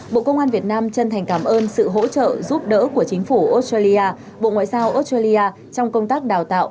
bộ công an việt nam chân thành cảm ơn sự hỗ trợ giúp đỡ của chính phủ australia bộ ngoại giao australia trong công tác đào tạo